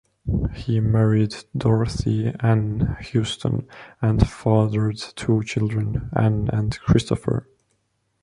He married Dorothy Anne Houston and fathered two children: Anne and Christopher.